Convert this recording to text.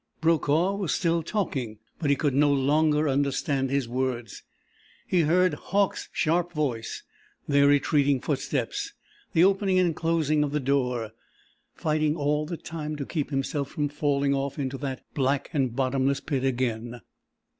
Brokaw was still talking, but he could no longer understand his words. He heard Hauck's sharp voice, their retreating footsteps, the opening and closing of the door fighting all the time to keep himself from falling off into that black and bottomless pit again.